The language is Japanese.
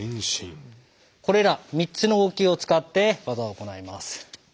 これら３つの動きを使って技を行います。